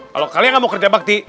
kalau kalian nggak mau kerja bakti